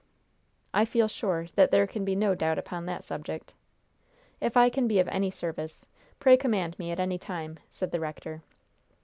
"I feel sure that there can be no doubt upon that subject." "If I can be of any service, pray command me at any time," said the rector.